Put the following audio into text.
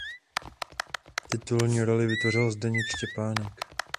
Titulní roli vytvořil Zdeněk Štěpánek.